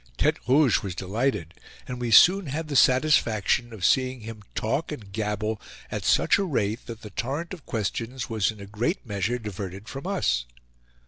Tete Rouge was delighted, and we soon had the satisfaction of seeing him talk and gabble at such a rate that the torrent of questions was in a great measure diverted from us.